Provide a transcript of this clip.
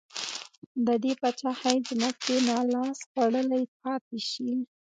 د دې پاچاهۍ ځمکې نا لاس خوړلې پاتې شي.